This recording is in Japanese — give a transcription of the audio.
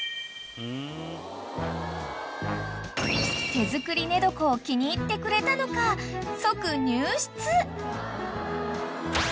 ［手作り寝床を気に入ってくれたのか即入室］